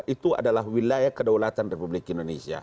itu adalah wilayah kedaulatan republik indonesia